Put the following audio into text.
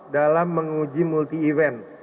dalam menguji multi event